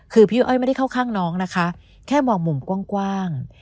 คือพี่อ้อยไม่ได้เข้าข้างน้องนะคะแค่มองมุมกว้าง